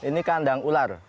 ini kandang ular